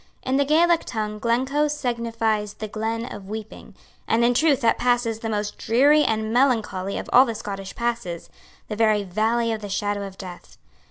In the Gaelic tongue Glencoe signifies the Glen of Weeping; and in truth that pass is the most dreary and melancholy of all the Scottish passes, the very Valley of the Shadow of Death.